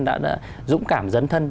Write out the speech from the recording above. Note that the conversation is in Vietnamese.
đã dũng cảm dấn thân